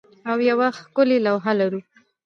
او یوه ښکلې لوحه لرو